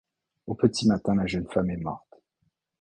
Au petit matin la jeune femme est morte.